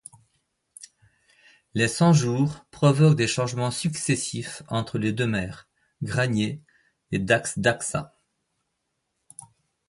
Les Cent-Jours provoquent des changements successifs entre les deux maires Granier et Dax d'Axat.